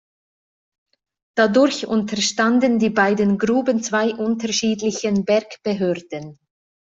Dadurch unterstanden die beiden Gruben zwei unterschiedlichen Bergbehörden.